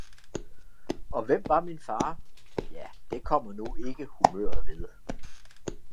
Og hvem var min fader? ja, det kommer nu ikke humøret ved!